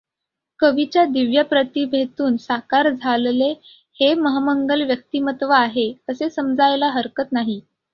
कवीच्या दिव्य प्रतिभेतून साकार झालले हे महन्मंगल व्यक्तिमत्त्व आहे असे समजायला हरकत नाही.